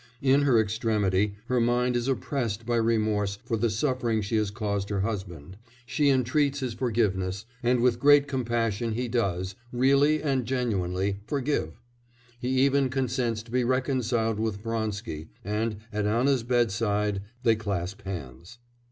In her extremity her mind is oppressed by remorse for the suffering she has caused her husband; she entreats his forgiveness, and with great compassion he does, really and genuinely, forgive; he even consents to be reconciled to Vronsky, and, at Anna's bedside, they clasp hands.